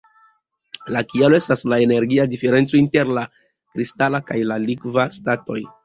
La kialo estas la energia diferenco inter la kristala kaj la likva statoj.